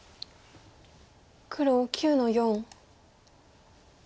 黒９の四。